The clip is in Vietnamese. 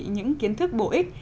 những kiến thức bổ ích